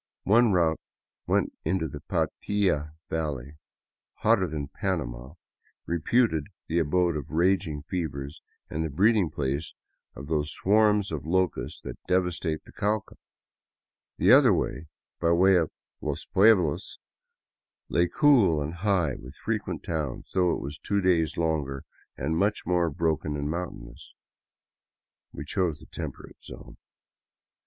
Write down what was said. One route went down into the Patia valley, hotter than Panama, reputed the abode of raging fevers and the breeding place of those swarms of locusts that devastate the Cauca. The other, by way of " los pueblos," lay cool and high, with frequent towns, though it was two days longer and much more broken and mountainous. We chose the temperate zone.